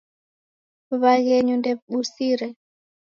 W'aghenyu ndew'ibusire.